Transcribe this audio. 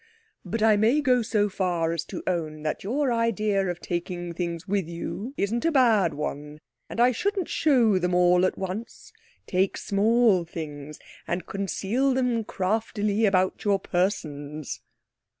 But I may go so far as to own that your idea of taking things with you isn't a bad one. And I shouldn't show them all at once. Take small things and conceal them craftily about your persons."